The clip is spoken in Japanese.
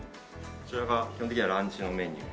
こちらが基本的にはランチのメニュー。